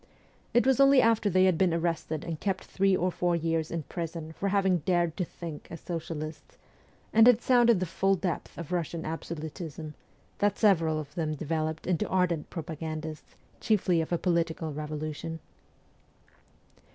It was only after they had been arrested and kept three or four years in prison for having dared to think as socialists, and had sounded the full depth of Eussian absolutism, that several of them developed into ardent propagandists, chiefly of a political revolution.